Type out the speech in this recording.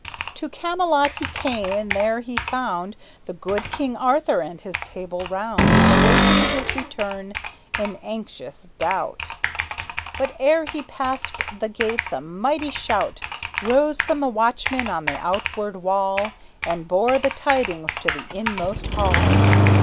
To Camelot he came, and there he found The good King Arthur and his Table Round Awaiting his return in anxious doubt; But ere he passed the gates a mighty shout Rose from the watchmen on the outward wall And bore the tidings to the inmost hall.